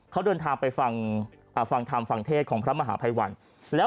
เขาเดินทางไปฟังฐำฒังเทศของพระมหาไพยวัล